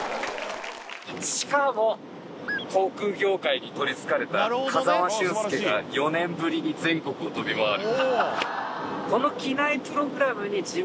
しかも「航空業界に取り憑かれた風間俊介が４年ぶりに全国を飛び回る」。